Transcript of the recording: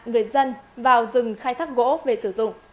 người dân vào rừng khai thác gỗ về sử dụng